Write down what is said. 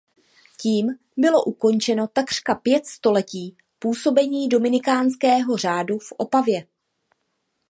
Tím bylo ukončeno takřka pět století působení dominikánského řádu v Opavě.